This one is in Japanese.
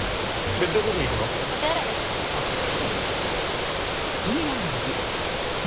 ベッドルーム行くの？